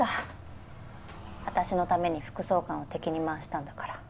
私のために副総監を敵に回したんだから。